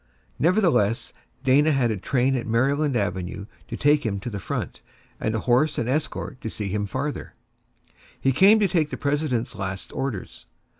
Nevertheless, Dana had a train at Maryland Avenue to take him to the front, and a horse and escort to see him farther; he came to take the President's last orders.